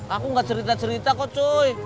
aku gak cerita cerita kok coy